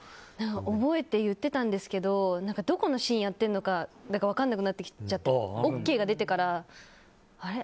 覚えて言っていたんですけどどこのシーンをやっているのか分からなくなってＯＫが出てから、あれ？